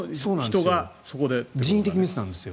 人為的ミスなんですよ。